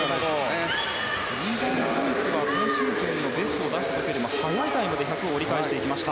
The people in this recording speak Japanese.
リーガン・スミスは今シーズンのベストを出した時よりも速いタイムで１００を折り返していきました。